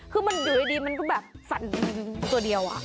คือมันอยู่ดีมันก็แบบสั่นตัวเดียว